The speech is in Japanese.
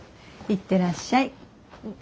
行ってらっしゃい。